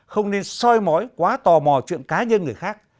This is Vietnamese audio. không nên soi mói quá tò mò chuyện cá nhân người khác